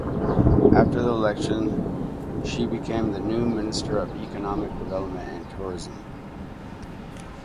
After the election she became the new Minister of Economic Development and Tourism.